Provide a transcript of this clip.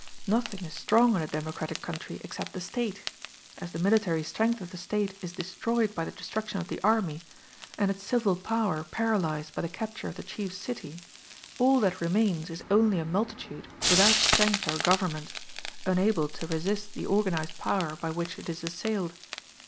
Nothing is strong in a democratic country except the State; as the military strength of the State is destroyed by the destruction of the army, and its civil power paralyzed by the capture of the chief city, all that remains is only a multitude without strength or government, unable to resist the organized power by which it is assailed.